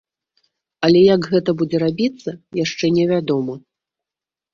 Але як гэта будзе рабіцца, яшчэ не вядома.